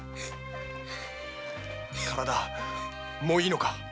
体はもういいのか？